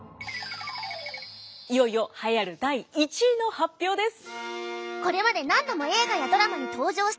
いよいよ栄えある第１位の発表です。